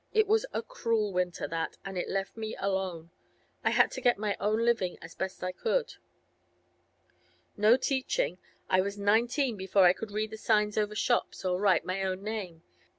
It was a cruel winter, that, and it left me alone. I had to get my own living as best I could. 'No teaching. I was nineteen before I could read the signs over shops, or write my own name.